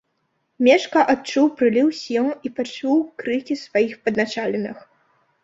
Мешка адчуў прыліў сіл і пачуў крыкі сваіх падначаленых.